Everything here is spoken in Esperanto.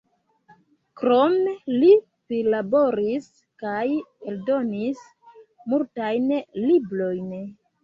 Krome li prilaboris kaj eldonis multajn librojn.